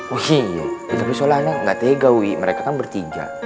oh iya bila besok anak gak tega wi mereka kan bertiga